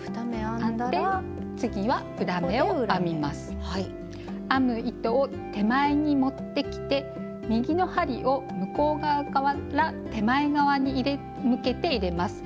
編む糸を手前に持ってきて右の針を向こう側から手前側に向けて入れます。